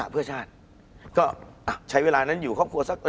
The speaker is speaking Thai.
คุณผู้ชมบางท่าอาจจะไม่เข้าใจที่พิเตียร์สาร